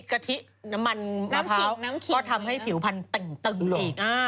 กะทิน้ำมันมะพร้าวก็ทำให้ผิวพันธุ์ตึงอีก